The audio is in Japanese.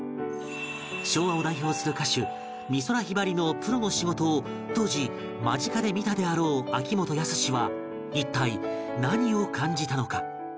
昭和を代表する歌手美空ひばりのプロの仕事を当時間近で見たであろう秋元康は一体何を感じたのか？